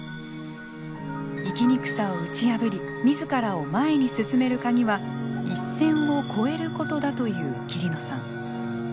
生きにくさを打ち破りみずからを前に進める鍵は一線を超えることだという桐野さん。